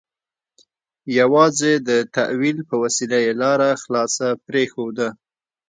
یوازې د تأویل په وسیله یې لاره خلاصه پرېښوده.